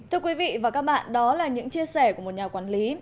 thưa quý vị và các bạn đó là những chia sẻ của một nhà quản lý